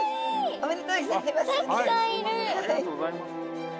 ありがとうございます。